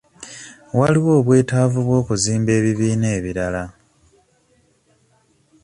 Waliwo obwetaavu bw'okuzimba ebibiina ebirala.